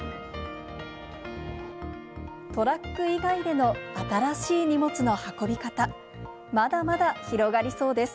トラック以外での新しい荷物の運び方、まだまだ広がりそうです。